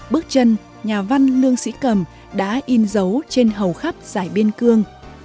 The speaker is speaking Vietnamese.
bước chân nhà văn lương sĩ cầm đã in dấu trên hầu khắp giải biên cương